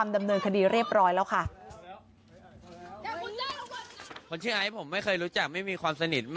ดำเนินคดีเรียบร้อยแล้วค่ะ